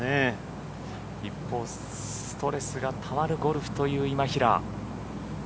一方ストレスがたまるゴルフという今平。